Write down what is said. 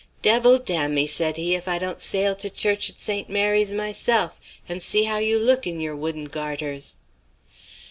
'Devil damn me,' said he, 'if I don't sail to church at St. Mary's myself and see how you look in your wooden garters.'